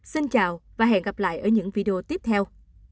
xin chào và hẹn gặp lại ở những video tiếp theo